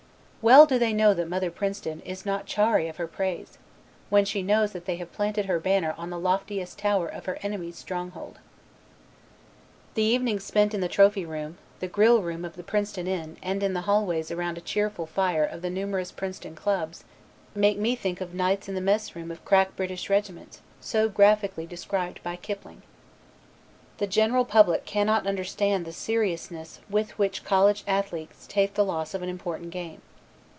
Well do they know that Mother Princeton is not chary of her praise, when she knows that they have planted her banner on the loftiest tower of her enemies' stronghold. The evenings spent in the Trophy room, the Grill Room of the Princeton Inn and in the hallways around a cheerful fire of the numerous Princeton clubs make me think of nights in the Mess room of crack British regiments, so graphically described by Kipling. The general public cannot understand the seriousness with which college athletes take the loss of an important game.